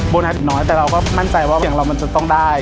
อีกน้อยแต่เราก็มั่นใจว่าอย่างเรามันจะต้องได้